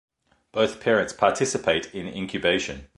Both parents participate in incubation.